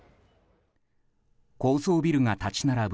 高層ビルが立ち並ぶ